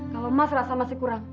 kalau emas rasa masih kurang